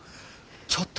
ちょっと。